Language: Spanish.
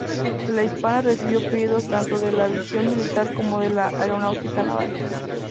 La Hispano recibió pedidos tanto de la Aviación Militar como de la Aeronáutica Naval.